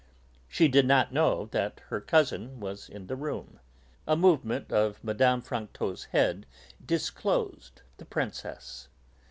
She did not know that her cousin was in the room. A movement of Mme. Franquetot's head disclosed the Princess.